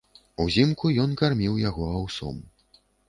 Узімку ён карміў яго аўсом.